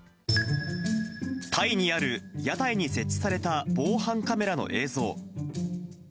タイにある屋台に設置された防犯カメラの映像。